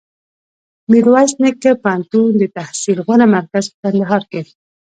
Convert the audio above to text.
میرویس نیکه پوهنتون دتحصل غوره مرکز په کندهار کي